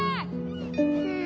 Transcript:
うん。